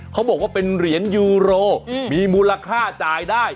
เขาบอกว่าเป็นเหรียญยูโรมีมูลค่าจ่ายได้